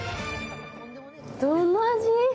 どんな味？